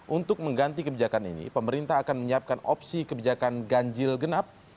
untuk mengganti kebijakan ini pemerintah akan menyiapkan opsi kebijakan ganjil genap